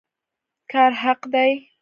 کار حق دی